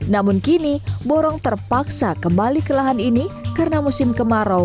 namun kini borong terpaksa kembali ke lahan ini karena musim kemarau